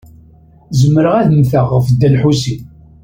Zemreɣ ad mmteɣ ɣef Dda Lḥusin.